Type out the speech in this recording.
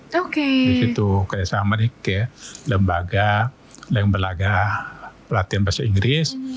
di situ kerjasama nih ke lembaga pelatihan bahasa inggris